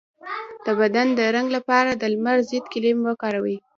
د بدن د رنګ لپاره د لمر ضد کریم وکاروئ